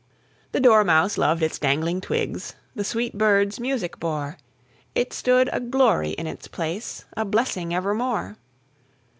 The dormouse loved its dangling twigs, The birds sweet music bore It stood a glory in its place, A blessing evermore.